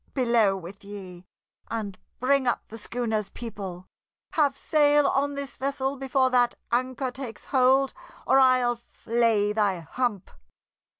Below with ye, and bring up the schooner's people. Have sail on this vessel before that anchor takes hold, or I'll flay thy hump!"